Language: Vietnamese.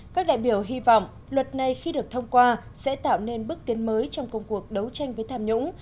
các đại biểu hy vọng luật này khi được thông qua sẽ tạo nên bước tiến mới trong công cuộc đấu tranh với tham nhũng